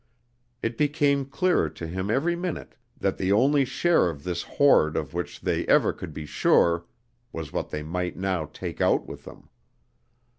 It became clearer to him every minute that the only share of this hoard of which they ever could be sure was what they might now take out with them.